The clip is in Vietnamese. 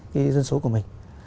cái dân số của mình